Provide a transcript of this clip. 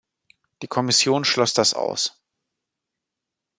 Die Kommission schloss das aus.